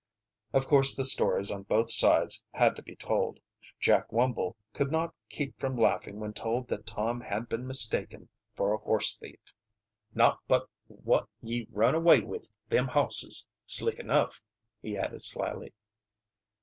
Of course the stories on both sides had to be told. Jack Wumble could not keep from laughing when told that Tom had been mistaken for a horse thief. "Not but wot ye run away with them hosses slick enough," he added slyly.